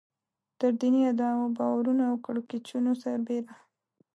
تر دیني ادعاوو، باورونو او کړکېچونو سربېره.